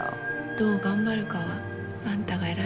どう頑張るかはあんたが選べるんだよ。